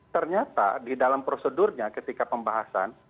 ternyata di dalam prosedurnya ketika pembahasan